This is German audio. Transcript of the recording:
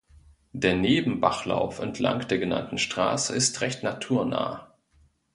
Der Nebenbachlauf entlang der genannten Straße ist recht naturnah.